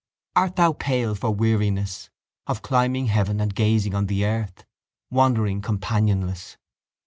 Art thou pale for weariness Of climbing heaven and gazing on the earth, Wandering companionless...?